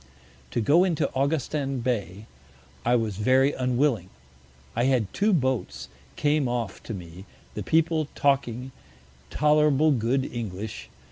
To go into Augustin Bay I was very unwilling: I had two Boats came off to me, the People talking tolerable good English.